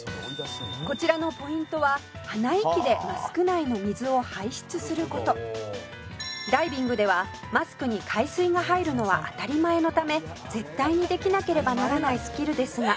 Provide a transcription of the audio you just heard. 「こちらのポイントは「ダイビングではマスクに海水が入るのは当たり前のため絶対にできなければならないスキルですが」